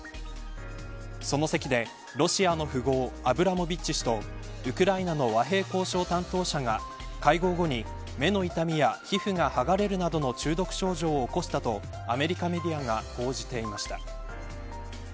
その席でロシアの富豪アブラモビッチ氏とウクライナの和平交渉担当者が会合後に目の痛みや皮膚がはがれるなどの中毒症状を起こしたと、アメリカメディアが報じていました。